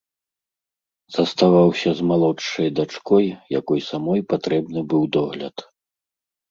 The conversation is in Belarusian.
Заставаўся з малодшай дачкой, якой самой патрэбны быў догляд.